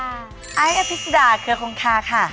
ไอซ์อภิษฎาเครือคงคาค่ะ